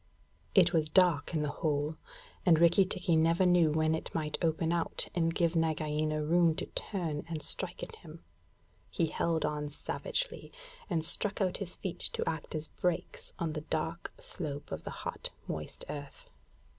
It was dark in the hole; and Rikki tikki never knew when it might open out and give Nagaina room to turn and strike at him. He held on savagely, and struck out his feet to act as brakes on the dark slope of the hot, moist earth.